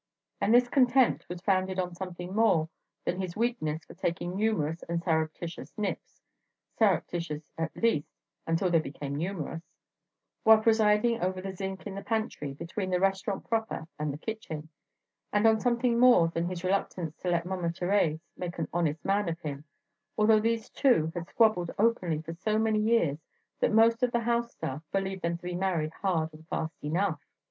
And this contempt was founded on something more than his weakness for taking numerous and surreptitious nips (surreptitious, at least, until they became numerous) while presiding over the zinc in the pantry between the restaurant proper and the kitchen; and on something more than his reluctance to let Mama Thérèse make an honest man of him, although these two had squabbled openly for so many years that most of the house staff believed them to be married hard and fast enough.